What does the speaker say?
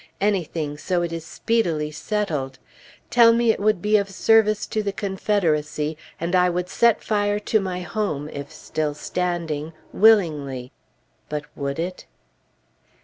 Anything, so it is speedily settled! Tell me it would be of service to the Confederacy, and I would set fire to my home if still standing willingly! But would it?